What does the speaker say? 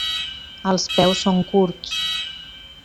Els peus són curts.